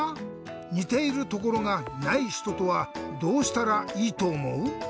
にているところがないひととはどうしたらいいとおもう？